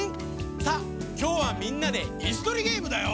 さあきょうはみんなでいすとりゲームだよ。